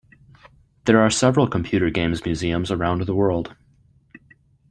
There are several computer games museums around the world.